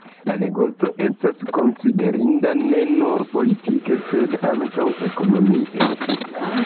La negoco estas konsiderinda ne nur politike, sed ankaŭ ekonomie.